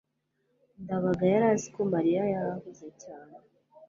ndabaga yari azi ko mariya yari ahuze cyane